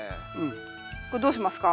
これどうしますか？